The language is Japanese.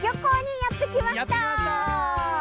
やって来ました！